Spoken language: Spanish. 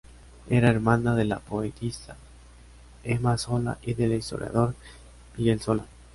Era hermana de la poetisa Emma Solá y del historiador Miguel Solá.